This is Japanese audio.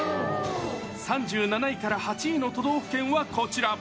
３７位から８位の都道府県はこちら。